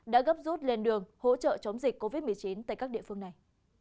đã gấp rút lên đường hỗ trợ chống dịch covid một mươi chín tại các địa phương này